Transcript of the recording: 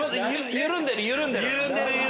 緩んでる緩んでる。